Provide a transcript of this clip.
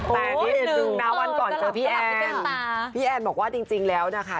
โอ้ยสุดยอดนะวันก่อนเจอพี่แอนพี่แอนบอกว่าจริงแล้วนะคะ